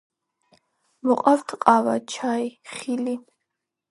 მოყავთ ყავა, ჩაი, ხილი.